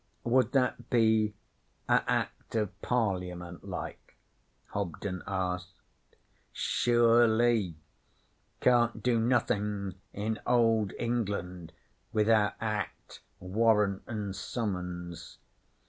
'Would that be a Act of Parliament like?' Hobden asked. 'Sure ly. Can't do nothing in Old England without Act, Warrant an' Summons.